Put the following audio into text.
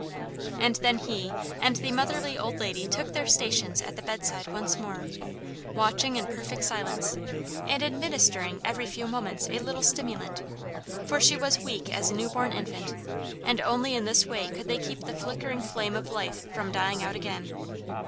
And then he and the motherly old lady took their stations at the bedside once more, watching in perfect silence, and administering every few moments a little stimulant, for she was weak as a new born infant, and only in this way could they keep the flickering flame of life from dying out again.